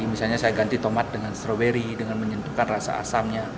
misalnya saya ganti tomat dengan stroberi dengan menyentuhkan rasa asamnya